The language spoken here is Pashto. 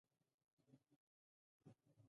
هغوی له پرتګالیانو یوه ستراتیژیکه کلا ونیوله.